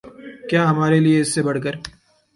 کیا ہمارے لیے اس سے بڑھ کر